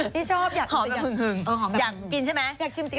พี่ชอบหอมหึ่งหึ่งอยากกินใช่มั้ย